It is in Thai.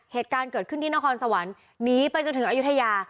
เหตุการณ์เกิดขึ้นที่นครสวรรค์หนีไปจนถึงอายุทยา